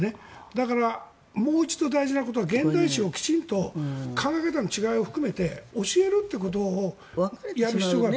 だから、もう一度大事なことは現代史を考え方の違いも含めて教えるっていうことをやる必要がある。